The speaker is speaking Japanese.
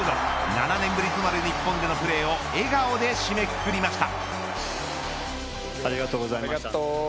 ７年ぶりとなる日本でのプレーを笑顔で締めくくりました。